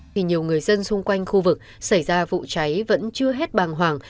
thì nhiều người dân xung quanh khu vực xảy ra vụ cháy vẫn chưa hết bàng hoàng